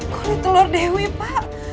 kulit telur dewi pak